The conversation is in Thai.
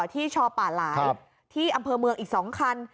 ที่ช้อป่าหลายครับที่อำเภอเมืองอีก๒คัน